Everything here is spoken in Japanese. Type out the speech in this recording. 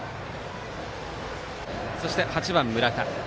そして８番、村田。